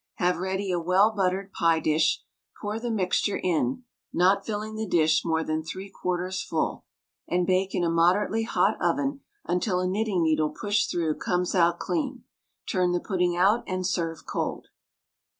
Have ready a well buttered pie dish, pour the mixture in (not filling the dish more than three quarters full), and bake in a moderately hot oven until a knitting needle pushed through comes out clean. Turn the pudding out and serve cold.